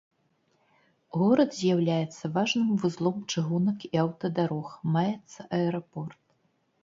Горад з'яўляецца важным вузлом чыгунак і аўтадарог, маецца аэрапорт.